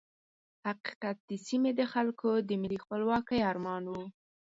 حقیقت د سیمې د خلکو د ملي خپلواکۍ ارمان وو.